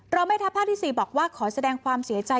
แม่ทัพภาคที่๔บอกว่าขอแสดงความเสียใจ